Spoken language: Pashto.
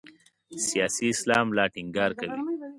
سیاسي اسلام لا ټینګار کوي.